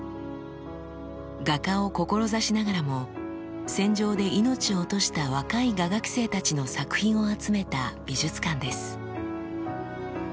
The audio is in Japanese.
画家を志しながらも戦場で命を落とした若い画学生たちの作品を集めた美術館です。